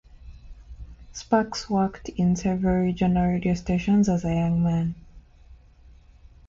Sparks worked in several regional radio stations as a young man.